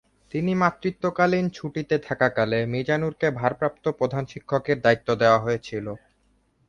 তিনি মাতৃত্বকালীন ছুটিতে থাকাকালে মিজানুরকে ভারপ্রাপ্ত প্রধান শিক্ষকের দায়িত্ব দেওয়া হয়েছিল।